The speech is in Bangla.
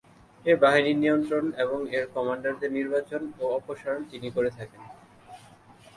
এই বাহিনীর নিয়ন্ত্রণ এবং এর কমান্ডারদের নির্বাচন ও অপসারণ তিনি করে থাকেন।